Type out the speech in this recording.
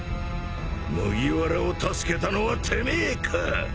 麦わらを助けたのはてめえか！？